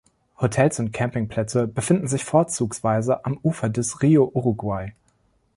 Hotels und Campingplätze befinden sich vorzugsweise am Ufer des Rio Uruguay.